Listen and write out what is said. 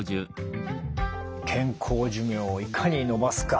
健康寿命をいかに延ばすか。